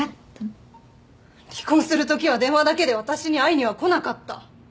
離婚するときは電話だけで私に会いには来なかった。